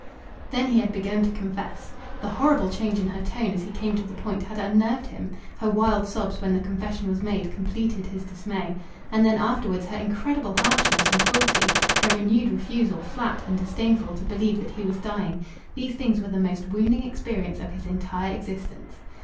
Then he had begun to confess. The horrible change in her tone as he came to the point had unnerved him. Her wild sobs when the confession was made completed his dismay. And then, afterwards, her incredible harshness and cruelty, her renewed refusal, flat and disdainful, to believe that he was dying these things were the most wounding experience of his entire existence.